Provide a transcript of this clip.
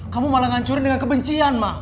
kamu malah ngancurin dengan kebencian ma